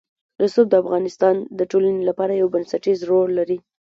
رسوب د افغانستان د ټولنې لپاره یو بنسټيز رول لري.